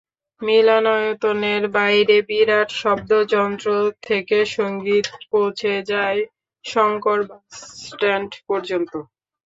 মিলনায়তনের বাইরের বিরাট শব্দযন্ত্র থেকে সংগীত পৌঁছে যায় শংকর বাসস্ট্যান্ড পর্যন্ত।